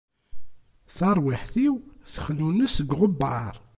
Tarwiḥt-iw texnunes deg uɣebbar.